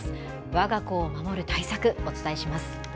わが子を守る対策、お伝えします。